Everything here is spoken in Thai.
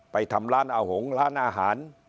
ไปทำร้านอาหารร้านอาหาร